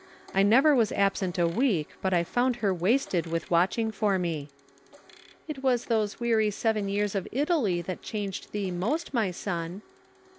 I never was absent a week but I found her wasted with watching for me." "It was those weary seven years of Italy that changed thee most, my son."